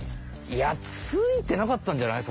いや突いてなかったんじゃない？